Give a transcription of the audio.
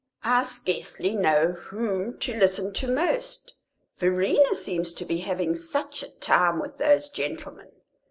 I scarcely know whom to listen to most; Verena seems to be having such a time with those gentlemen.